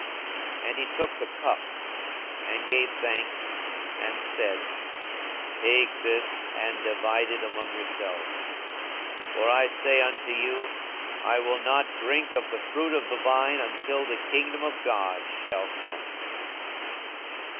42:022:017 And he took the cup, and gave thanks, and said, Take this, and divide it among yourselves: 42:022:018 For I say unto you, I will not drink of the fruit of the vine, until the kingdom of God shall come.